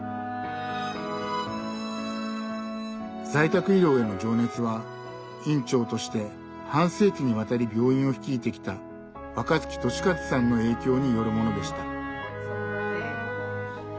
在宅医療への情熱は院長として半世紀にわたり病院を率いてきた若月俊一さんの影響によるものでした。